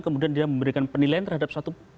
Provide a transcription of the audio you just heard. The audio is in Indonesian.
kemudian dia memberikan penilaian terhadap satu